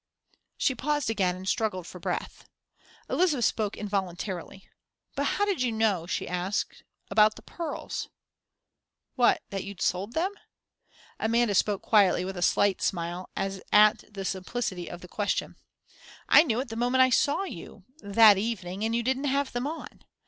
She paused again and struggled for breath. Elizabeth spoke involuntarily. "But how did you know," she asked, "about the pearls?" "What, that you'd sold them?" Amanda spoke quietly, with a slight smile, as at the simplicity of the question. "I knew it the moment I saw you that evening, and you didn't have them on.